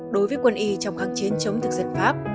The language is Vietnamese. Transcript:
đối với quân y trong kháng chiến chống thực dân pháp